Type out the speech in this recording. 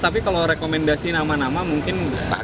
tapi kalau rekomendasi nama nama mungkin pak